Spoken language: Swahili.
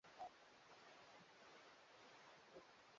binadamu wa kale alitumia nyenzo kurahisisha maisha